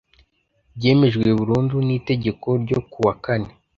byemejwe burundu n itegeko ryo ku wa kane